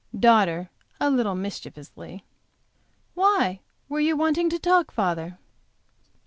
Daughter a little mischievously. "Why, were you wanting to talk, father?